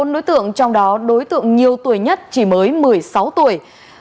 bốn đối tượng trong đó đối tượng nhiều tuổi nhất chỉ mới một mươi sáu tuổi